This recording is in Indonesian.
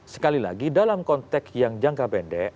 sekali lagi dalam konteks yang jangka pendek